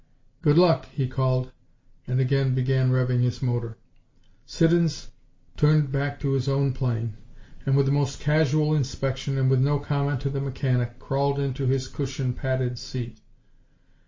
"Good luck!" he called, and again began revving his motor. Siddons turned back to his own plane, and with the most casual inspection, and with no comment to the mechanic, crawled into his cushion padded seat.